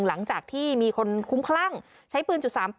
หลังจากที่มีคนคุ้มคลั่งใช้ปืน๓๘